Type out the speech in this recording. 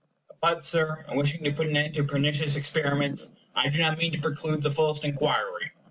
But, Sir, in wishing to put an end to pernicious experiments, I do not mean to preclude the fullest inquiry.